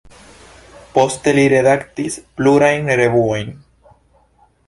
Poste li redaktis plurajn revuojn.